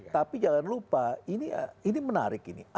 tapi jangan lupa ini menarik ini